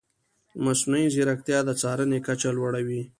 مصنوعي ځیرکتیا د څارنې کچه لوړه وي.